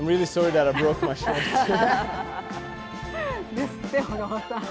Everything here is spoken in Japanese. ですって、小川さん。